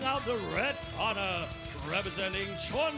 สอบธรรมอิซเตอร์เงินอิซเตอร์เงินจับทอง